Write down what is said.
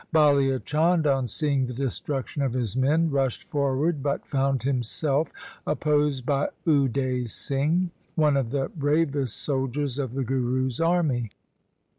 Balia Chand, on seeing the destruction of his men, rushed forward, but found himself opposed by Ude Singh, one of the bravest soldiers of the Guru's army.